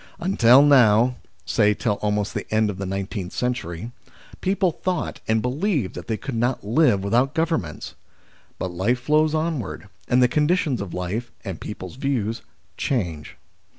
Until now, say till almost the end of the nineteenth century, people thought and believed that they could not live without Governments. But life flows onward, and the conditions of life, and people's views, change.